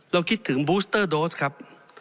คิดถึงบูสเตอร์โดสครับ